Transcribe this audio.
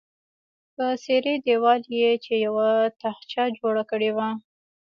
په څیرې دیوال کې یې چې یوه تاخچه جوړه کړې وه.